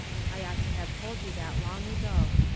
I ought to have told you that long ago.